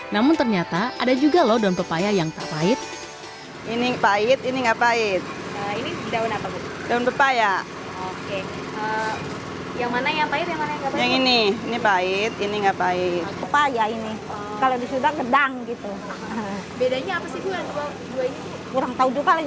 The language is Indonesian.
namun ternyata ada juga loh daun pepaya yang tak pahit